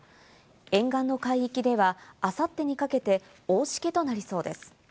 沿岸の海域では、あさってにかけて大しけとなりそうです。